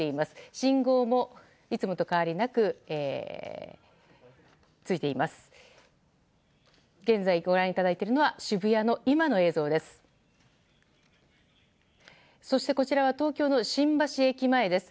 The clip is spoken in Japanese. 信号もいつもと変わりなくついています。